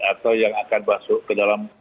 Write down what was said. atau yang akan masuk ke dalam